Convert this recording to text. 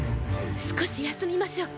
少し休みましょう！